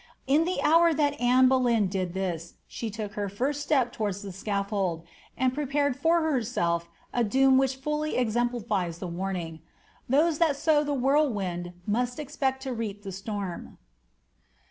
In the hour that Anne Boleyn did this, she took her first step towards a scaflbld, and prepared for herself a doom which fully exem plifies the warning, ^ Those that sow the whirlwind must expect to reap the storm."